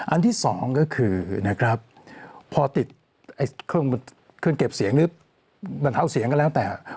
อันที่สองก็คือนะครับพอติดเครื่องเก็บเสียงหรือบรรเทาเสียงก็แล้วแต่